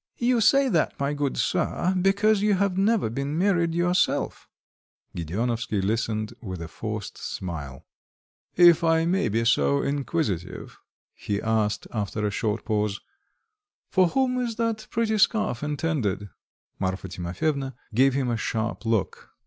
"You say that, my good sir, because you have never been married yourself." Gedeonovsky listened with a forced smile. "If I may be so inquisitive," he asked, after a short pause, "for whom is that pretty scarf intended?" Marfa Timofyevna gave him a sharp look.